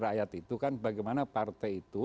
rakyat itu kan bagaimana partai itu